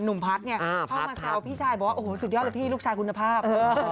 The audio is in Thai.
หนุ่มพัฒน์เข้ามาเซวพี่ชายบอกว่าสุดยอดเลยพี่ลูกชายคุณภาพ